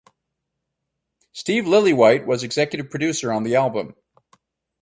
Steve Lillywhite was executive producer on the album.